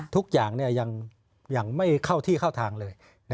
ทุกอย่างยังไม่เข้าที่เข้าทางเลย